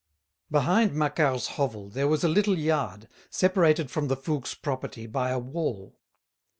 Behind Macquart's hovel there was a little yard, separated from the Fouques' property by a wall.